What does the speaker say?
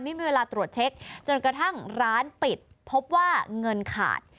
ไม่มีเวลาตรวจเช็คจนกระทั่งร้านปิดพบว่าเงินขาด